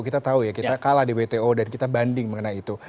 kita tahu ya kita kalah di wto dan kita banding mengenai itu